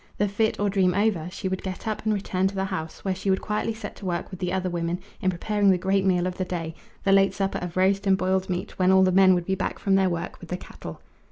The fit or dream over, she would get up and return to the house, where she would quietly set to work with the other women in preparing the great meal of the day the late supper of roast and boiled meat, when all the men would be back from their work with the cattle.